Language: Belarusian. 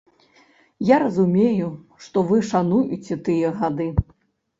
Я разумею, што вы шануеце тыя гады.